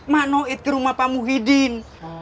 manoid ke rumah pak muhyiddin